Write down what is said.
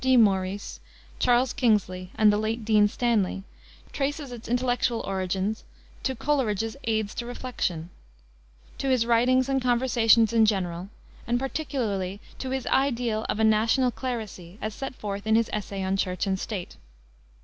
D. Maurice, Charles Kingsley, and the late Dean Stanley, traces its intellectual origin to Coleridge's Aids to Reflection; to his writings and conversations in general, and particularly to his ideal of a national Clerisy, as set forth in his essay on Church and State.